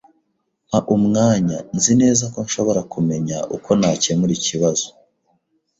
Mpa umwanya. Nzi neza ko nshobora kumenya uko nakemura ikibazo.